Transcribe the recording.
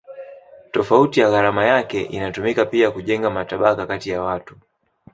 Tofauti ya gharama yake inatumika pia kujenga matabaka kati ya watu.